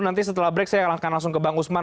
nanti setelah break saya akan langsung ke bang usman